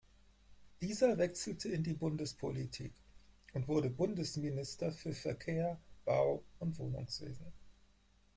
Dieser wechselte in die Bundespolitik und wurde Bundesminister für Verkehr, Bau- und Wohnungswesen.